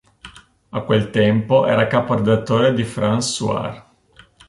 A quel tempo era caporedattore di "France Soir".